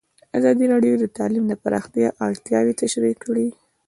ازادي راډیو د تعلیم د پراختیا اړتیاوې تشریح کړي.